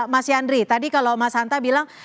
mas yandri tadi kalau mas hanta bilang